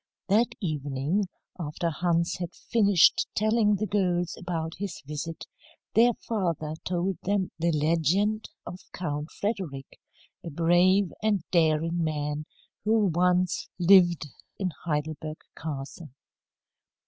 That evening, after Hans had finished telling the girls about his visit, their father told them the legend of Count Frederick, a brave and daring man who once lived in Heidelberg Castle.